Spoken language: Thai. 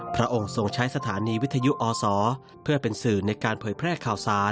พระองค์ทรงใช้สถานีวิทยุอศเพื่อเป็นสื่อในการเผยแพร่ข่าวสาร